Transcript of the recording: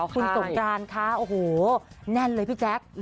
คุณสงกรานคะโอ้โหแน่นเลยพี่แจ๊ค